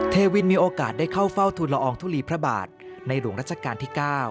เทวินมีโอกาสได้เข้าเฝ้าทุลอองทุลีพระบาทในหลวงรัชกาลที่๙